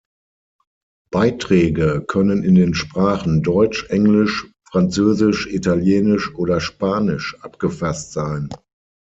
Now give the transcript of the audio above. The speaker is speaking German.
Beiträge können in den Sprachen Deutsch, Englisch, Französisch, Italienisch oder Spanisch abgefasst sein.